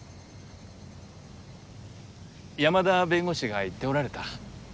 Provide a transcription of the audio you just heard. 山田弁護士が言っておられた。